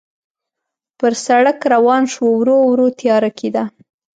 پر سړک روان شوو، ورو ورو تیاره کېده.